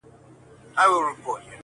کډه وکړه هغه ښار ته چي آباد سې،